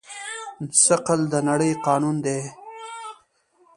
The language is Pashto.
ثقل د نړۍ قانون دی.